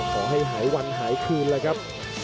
ขอให้หายวันหายคืนแล้วครับ